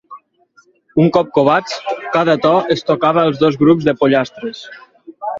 Un cop covats, cada to es tocava als dos grups de pollastres.